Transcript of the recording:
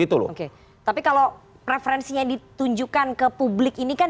tapi kalau preferensinya ditunjukkan ke publik ini kan